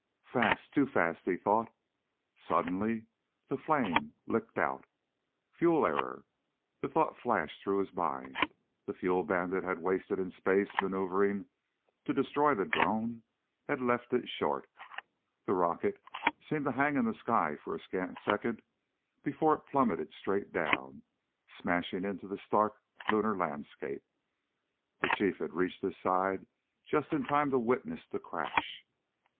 Fast ... too fast, he thought. Suddenly the flame licked out. Fuel error. The thought flashed through his mind. The fuel Bandit had wasted in space maneuvering to destroy the drone had left it short. The rocket seemed to hang in the sky for a scant second before it plummeted straight down, smashing into the stark lunar landscape. The Chief had reached his side just in time to witness the crash.